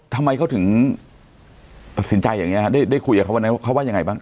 ทำไมเขาถึงตัดสินใจอย่างนี้ได้คุยกับเขาว่าอย่างไรบ้าง